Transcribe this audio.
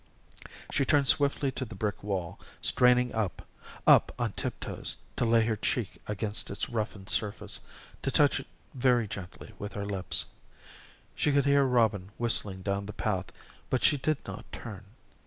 She turned swiftly to the brick wall, straining up, up on tiptoes, to lay her cheek against its roughened surface, to touch it very gently with her lips. She could hear Robin whistling down the path but she did not turn.